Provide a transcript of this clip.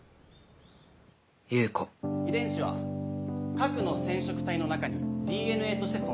夕子遺伝子は核の染色体の中にＤＮＡとして存在しています。